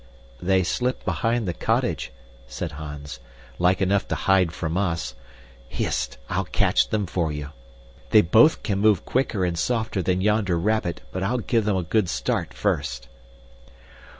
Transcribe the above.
"They slipped behind the cottage," said Hans, "like enough to hide from us. Hist! I'll catch them for you! They both can move quicker and softer than yonder rabbit, but I'll give them a good start first."